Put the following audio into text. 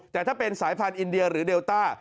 แต่ถ้าเป็นสายพันธุ์อินเดียหรือเดลต้า